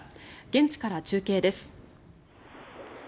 現地から中継です。